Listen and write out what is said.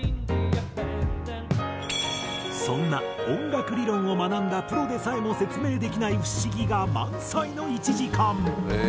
そんな音楽理論を学んだプロでさえも説明できない不思議が満載の１時間。